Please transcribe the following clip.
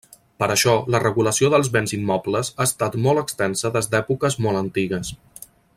Per això, la regulació dels béns immobles ha estat molt extensa des d'èpoques molt antigues.